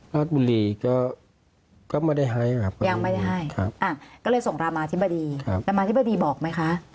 ราชบุรีก็ไม่ได้ให้ครับยังไม่ได้ให้ก็เลยส่งรามาธิบดีแต่มาธิบดีบอกไหมคะ